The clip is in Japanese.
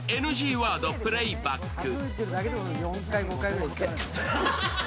ＮＧワード、プレーバック。